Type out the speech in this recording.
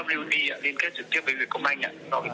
liên kết trực tiếp với người công anh ạ